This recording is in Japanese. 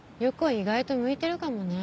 意外と向いてるかもね。